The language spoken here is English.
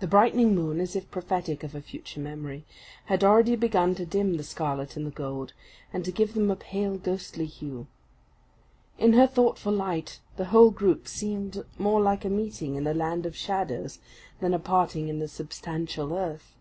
The brightening moon, as if prophetic of a future memory, had already begun to dim the scarlet and the gold, and to give them a pale, ghostly hue. In her thoughtful light the whole group seemed more like a meeting in the land of shadows, than a parting in the substantial earth.